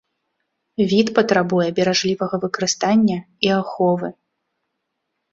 Від патрабуе беражлівага выкарыстання і аховы.